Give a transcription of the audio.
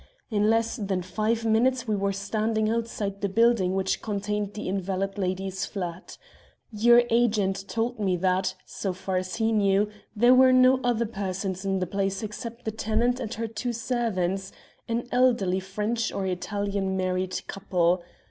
In less than five minutes we were standing outside the building which contained the invalid lady's flat. Your agent told me that, so far as he knew, there were no other persons in the place except the tenant and her two servants, an elderly French or Italian married couple.